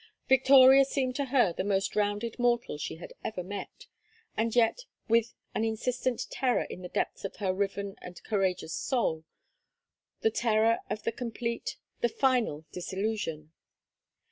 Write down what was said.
Victoria seemed to her the most rounded mortal she had met, and yet with an insistent terror in the depths of her riven and courageous soul, the terror of the complete, the final disillusion.